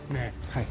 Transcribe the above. はい。